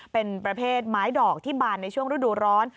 เป็นประเภทไม้ดอกที่บานในช่วงฤดูร้อน